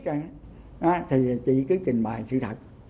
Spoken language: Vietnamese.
thì chị cứ trình bày sự thật